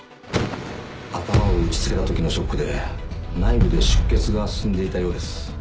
頭を打ち付けた時のショックで内部で出血が進んでいたようです。